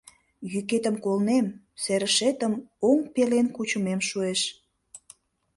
Йӱкетым колнем, серышетым оҥ пелен кучымем шуэш.